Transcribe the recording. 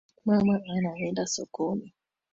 Mama anaenda sokoni.